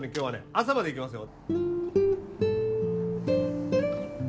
朝までいきますよ